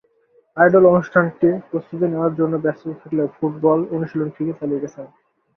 Idol অনুষ্ঠানটির প্রস্তুতি নেওয়ার জন্য ব্যস্ততা থাকলেও ফুটবল অনুশীলন ঠিকই চালিয়ে গেছেন।